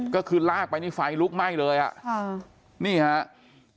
ก็คือลากไปนี่ไฟลุกไหม้เลยอ่ะค่ะนี่ครับ